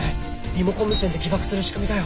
リモコン無線で起爆する仕組みだよ。